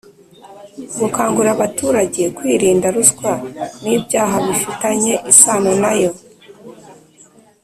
gukangurira abaturage kwirinda ruswa n’ibyaha bifitanye isano nayo